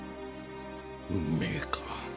運命か。